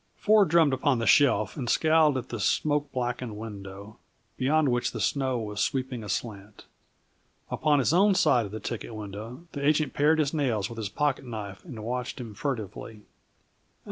Ford drummed upon the shelf and scowled at the smoke blackened window, beyond which the snow was sweeping aslant. Upon his own side of the ticket window, the agent pared his nails with his pocket knife and watched him furtively.